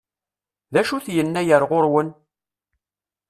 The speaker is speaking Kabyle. D acu-t Yennayer ɣur-wen?